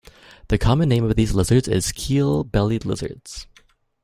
The common name of these lizards is Keel-bellied Lizards.